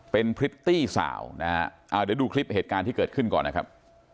เป็นพริตตี้สาวนะฮะเดี๋ยวดูคลิปเหตุการณ์ที่เกิดขึ้นก่อนนะครับ